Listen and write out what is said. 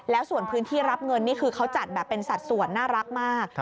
แล้วส่วนพื้นที่รับเงินนี่คือเขาจัดแบบเป็นสัดส่วนน่ารักมาก